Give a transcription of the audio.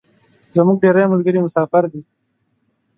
زمونږ ډیری ملګري مسافر دی